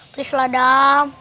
peace lah dam